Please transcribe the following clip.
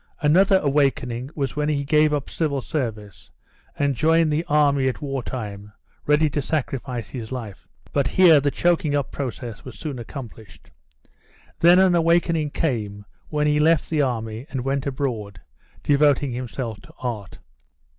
Another awakening was when he gave up civil service and joined the army at war time, ready to sacrifice his life. But here the choking up process was soon accomplished. Then an awakening came when he left the army and went abroad, devoting himself to art.